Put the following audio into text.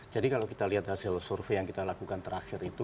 jadi kalau kita lihat hasil survei yang kita lakukan terakhir itu